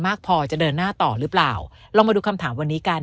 มากพอจะเดินหน้าต่อหรือเปล่าลองมาดูคำถามวันนี้กัน